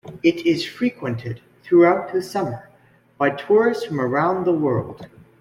It is frequented throughout the summer by tourists from around the world.